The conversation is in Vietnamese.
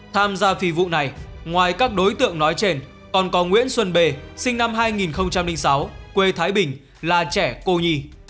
tham gia phi vụ này ngoài các đối tượng nói trên còn có nguyễn xuân bề sinh năm hai nghìn sáu quê thái bình là trẻ cô nhi